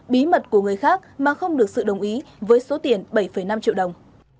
bí mật của người khác mà không được sự đồng ý với số tiền bảy năm triệu đồng